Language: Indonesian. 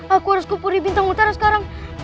aku harus kupuri bintang utara sekarang